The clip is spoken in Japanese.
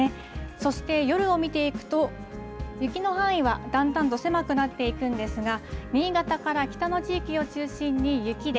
そして夜を見ていくと、雪の範囲はだんだんと狭くなっていくんですが、新潟から北の地域を中心に雪で、